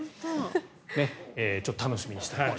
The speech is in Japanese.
ちょっと楽しみにしていただいて。